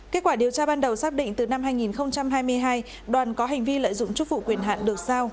kết quả điều tra ban đầu xác định từ năm hai nghìn hai mươi hai đoàn có hành vi lợi dụng chức vụ quyền hạn được sao